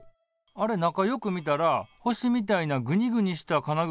あれ中よく見たら星みたいなグニグニした金具が入ってんねん。